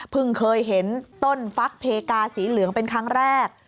เคยเห็นต้นฟักเพกาสีเหลืองเป็นครั้งแรก